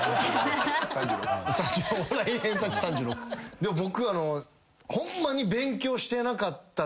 でも僕ホンマに。